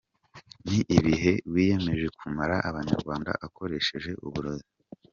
Ni bihehe wiyemeje kumara abanyarwanda akoreresheje uburozi.